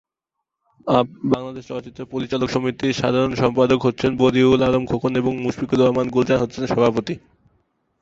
বাংলাদেশ চলচ্চিত্র পরিচালক সমিতির সাধারণ সম্পাদক হচ্ছেন বদিউল আলম খোকন এবং মুশফিকুর রহমান গুলজার হচ্ছেন সভাপতি।